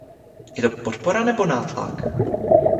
Je to podpora, nebo nátlak?